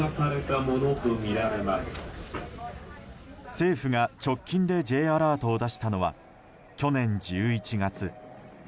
政府が直近でＪアラートを出したのは去年１１月。